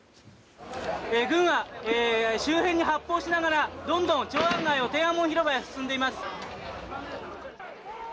軍は周辺に発砲しながらどんどん長安街を天安門広場へ進んでいきます。